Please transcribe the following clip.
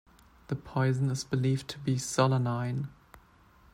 The poison is believed to be solanine.